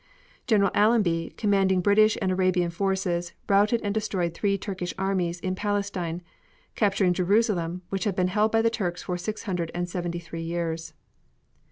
General Allenby commanding British and Arabian forces, routed and destroyed three Turkish armies in Palestine, capturing Jerusalem which had been held by the Turks for six hundred and seventy three years.